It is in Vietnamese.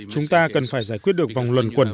chúng ta cần phải giải quyết được vòng luận quẩn